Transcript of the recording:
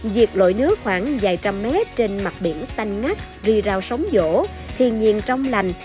việc lội nước khoảng vài trăm mét trên mặt biển xanh ngắt ri rào sống vỗ thiên nhiên trong lành